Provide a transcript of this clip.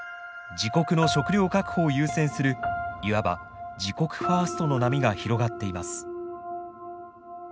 自国の食料確保を優先するいわば自国ファーストの波が広がっています。